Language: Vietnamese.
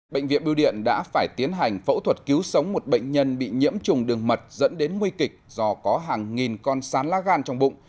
bệnh viện bưu điện đã phải tiến hành phẫu thuật cứu sống một bệnh nhân bị nhiễm trùng đường mật dẫn đến nguy kịch do có hàng nghìn con sán lá gan trong bụng